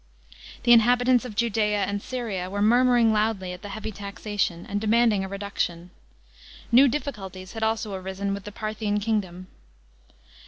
The inhabitants of Judea and Syria were murmuring loudly at the heavy taxation, and demanding a reduction. New difficulties had also arisen with the Parthian kingdom.